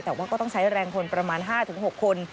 แต่ว่าก็ต้องใช้แรงคนประมาณ๕๖คน